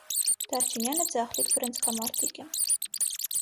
Դարչինյանը ձախլիկ բռնցքամարտիկ է։